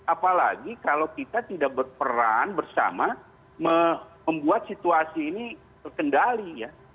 apalagi kalau kita tidak berperan bersama membuat situasi ini terkendali ya